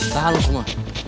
tahan lo semua